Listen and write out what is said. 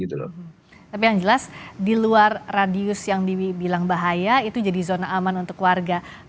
tapi yang jelas di luar radius yang dibilang bahaya itu jadi zona aman untuk warga